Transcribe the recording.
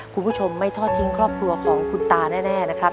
คุณผู้ชมไม่ทอดทิ้งครอบครัวของคุณตาแน่นะครับ